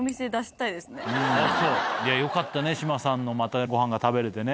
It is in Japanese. よかったね志麻さんのまたごはんが食べれてね。